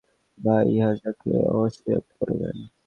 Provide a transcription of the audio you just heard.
অন্যদের মতে, মৃত্যুকালে তিনি তার ভাই ইয়াহুযাকে ওসীয়ত করে যান।